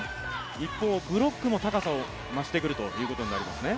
一方、ブロックも高さを増してくるということになりますね。